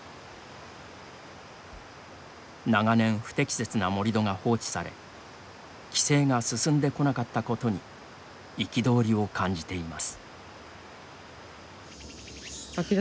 長年、不適切な盛り土が放置され規制が進んでこなかったことに憤りを感じています。